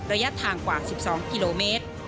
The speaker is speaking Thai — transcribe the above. ระยะทางกว่า๑๒กิโลเมตร